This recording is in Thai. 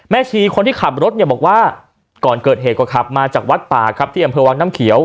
ชีคนที่ขับรถเนี่ยบอกว่าก่อนเกิดเหตุก็ขับมาจากวัดป่าครับที่อำเภอวังน้ำเขียว